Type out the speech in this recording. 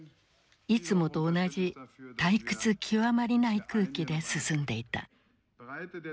いつもと同じ退屈極まりない空気で進んでいた。